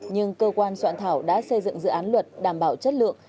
nhưng cơ quan soạn thảo đã xây dựng dự án luật đảm bảo chất lượng